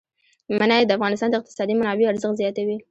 منی د افغانستان د اقتصادي منابعو ارزښت زیاتوي.